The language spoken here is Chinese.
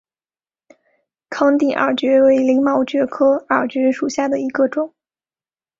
康定耳蕨为鳞毛蕨科耳蕨属下的一个种。